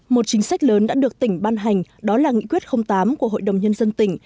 một chính sách lớn đã được tỉnh ban hành đó là nghị quyết tám của hội đồng nhân dân tỉnh